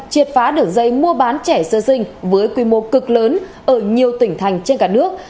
triệt phá đường dây mua bán trẻ sơ sinh với quy mô cực lớn ở nhiều tỉnh thành trên cả nước